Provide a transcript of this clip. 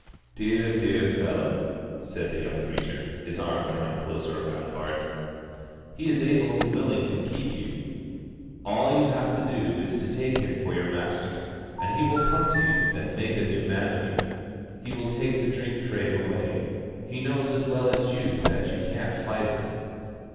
"Dear, dear fellow," said the young preacher, his arm drawing closer round Bart, "He is able and willing to keep you; all you have to do is to take Him for your Master, and He will come to you and make a new man of you. He will take the drink crave away. He knows as well as you do that you can't fight it."